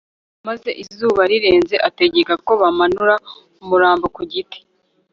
maze izuba rirenze ategeka ko bamanura umurambo ku giti